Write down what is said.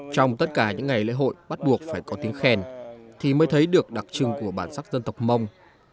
trong tất cả những ngày lễ hội bắt buộc phải có tiếng khen thì mới thấy được đặc trưng của bản sắc dân tộc mông